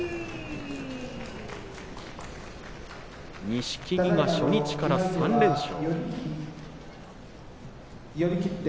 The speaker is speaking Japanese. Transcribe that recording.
錦木が初日から３連勝。